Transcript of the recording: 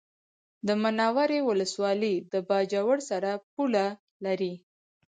د منورې ولسوالي د باجوړ سره پوله لري